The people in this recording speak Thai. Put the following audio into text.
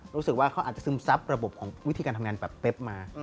รู้สึกว่าเขาอาจจะซึมซับระบบของวิธีการทำงานแบบเป๊บมา